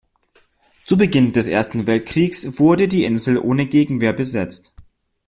Zu Beginn des Ersten Weltkriegs wurde die Insel ohne Gegenwehr besetzt.